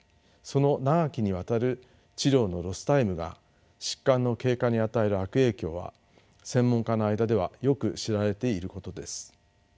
その長きにわたる治療のロスタイムが疾患の経過に与える悪影響は専門家の間ではよく知られていることです。